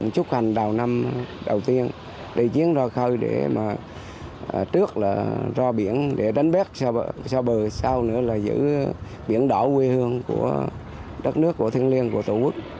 chúc hành đào năm đầu tiên đi chuyến ra khơi trước là ra biển để đánh bắt xa bờ sau nữa là giữ biển đỏ quê hương của đất nước của thiên liên của tổ quốc